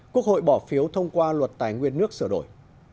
quốc hội bỏ phiếu thông qua luật tài nguyên nước sửa đổi